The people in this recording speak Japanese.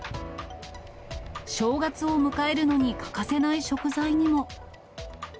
正月を迎えるのに欠かせない食材にも。